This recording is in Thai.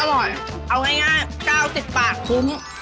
เอาให้ง่าย๙๐บาทคุ้ม